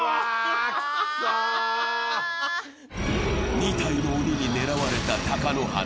２体の鬼に狙われた貴乃花。